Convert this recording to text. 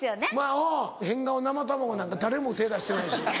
おう変顔「生卵」なんか誰も手出してないし。